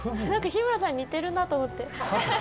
日村さんに似てるなと思って。